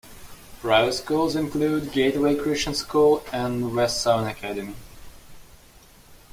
Private schools include Gateway Christian School and West Sound Academy.